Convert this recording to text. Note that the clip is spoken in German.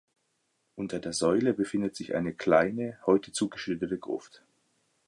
Unter der Säule befindet sich eine kleine, heute zugeschüttete Gruft.